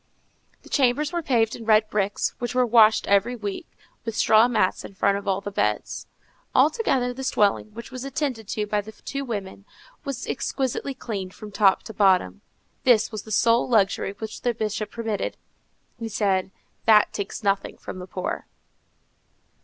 The chambers were paved in red bricks, which were washed every week, with straw mats in front of all the beds. Altogether, this dwelling, which was attended to by the two women, was exquisitely clean from top to bottom. This was the sole luxury which the Bishop permitted. He said, _"That takes nothing from the poor."